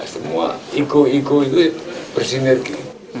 semua ego ego itu bersinergi